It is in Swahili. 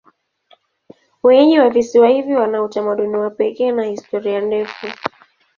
Wenyeji wa visiwa hivi wana utamaduni wa pekee na historia ndefu.